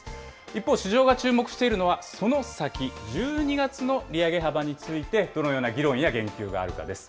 一方、市場が注目しているのはその先、１２月の利上げ幅について、どのような議論や言及があるかです。